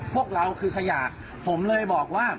พวกเราคือขยะผมเลยบอกว่า